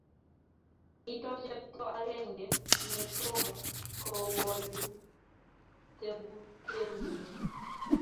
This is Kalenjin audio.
mito chepto agengé netomo kowolu tebutienyu